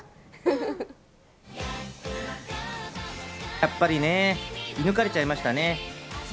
やっぱりね、射抜かれちゃいましたね。